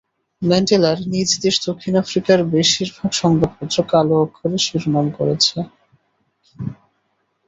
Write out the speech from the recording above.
ম্যান্ডেলার নিজ দেশ দক্ষিণ আফ্রিকার বেশির ভাগ সংবাদপত্র কালো অক্ষরে শিরোনাম করেছে।